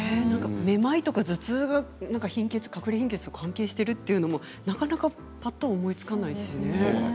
めまいとか頭痛がかくれ貧血と関係しているというのもなかなかぱっと思いつかないですね。